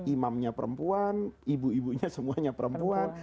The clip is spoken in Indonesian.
imamnya perempuan ibu ibunya semuanya perempuan